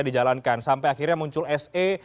dijalankan sampai akhirnya muncul se